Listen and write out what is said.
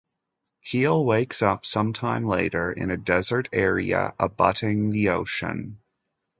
Keil wakes up some time later in a desert area abutting the ocean.